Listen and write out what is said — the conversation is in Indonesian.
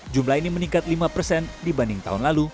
jumlah ini meningkat lima persen dibanding tahun lalu